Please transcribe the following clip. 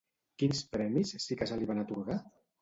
Quins premis sí que se li van atorgar?